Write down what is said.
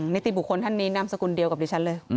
นิติบุคคลท่านนี้นามสกุลเดียวกับดิฉันเลย